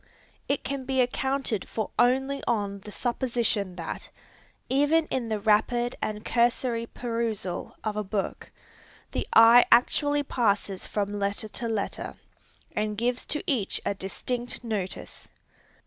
It can be accounted for only on the supposition that, even in the rapid and cursory perusal of a book, the eye actually passes from letter to letter, and gives to each a distinct notice.